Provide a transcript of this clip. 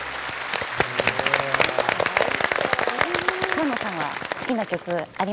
菅野さんは好きな曲ありましたか？